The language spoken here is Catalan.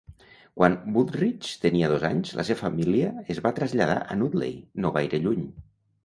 Quan Goodrich tenia dos anys, la seva família es va traslladar a Nutley, no gaire lluny.